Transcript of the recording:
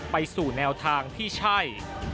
ไปสู่แนวทางที่ใช่